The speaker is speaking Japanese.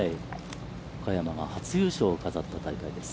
岡山が初優勝を飾った大会です。